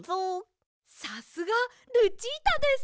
さすがルチータです！